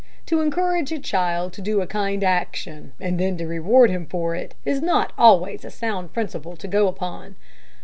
To encourage a child to do a kind action, and then to reward him for it, is not always a sound principle to go upon."